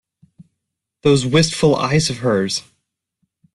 Those wistful eyes of hers!